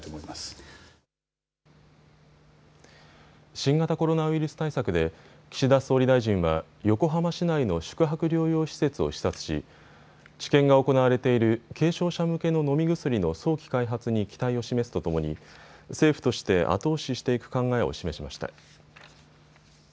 新型コロナウイルス対策で岸田総理大臣は横浜市内の宿泊療養施設を視察し治験が行われている軽症者向けの飲み薬の早期開発に期待を示すとともに政府として後押ししていく考えを示しました。